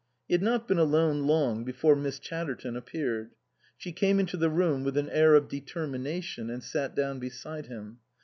He had not been alone long before Miss Chatterton appeared. She came into the room with an air of determination and sat down beside him.